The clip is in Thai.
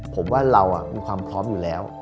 ผมว่าเรามีความพร้อมอยู่แล้ว